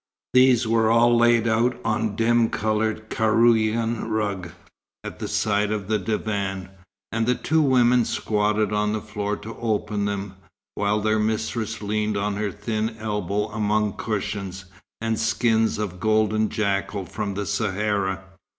These were all laid on a dim coloured Kairouan rug, at the side of the divan, and the two women squatted on the floor to open them, while their mistress leaned on her thin elbow among cushions, and skins of golden jackal from the Sahara.